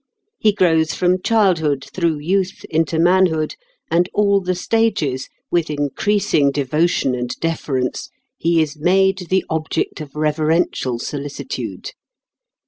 He grows from childhood through youth into manhood, and all the stages, with increasing devotion and deference, he is made the object of reverential solicitude.